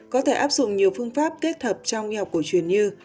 có thể áp dụng nhiều phương pháp kết hợp trong y học cổ truyền như